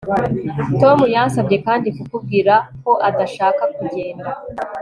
Tom yansabye kandi kukubwira ko adashaka kugenda